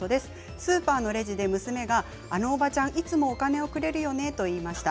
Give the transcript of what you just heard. スーパーのレジで娘があのおばちゃん、いつもお金をくれるよねと言いました。